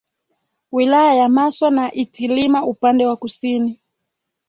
Wilaya ya Maswa na Itilima upande wa kusini